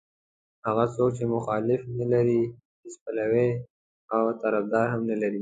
هغه څوک چې مخالف نه لري هېڅ پلوی او طرفدار هم نه لري.